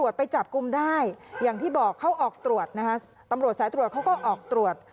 อย่างที่บอกเขาออกตรวจนะฮะตำรวจสายตรวจเขาก็ออกตรวจ